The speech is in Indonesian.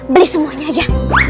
beli semuanya aja